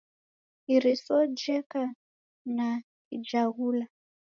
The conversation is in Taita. Iriso jeka na kijaghula.